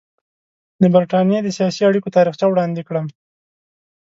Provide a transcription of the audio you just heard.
د برټانیې د سیاسي اړیکو تاریخچه وړاندې کړم.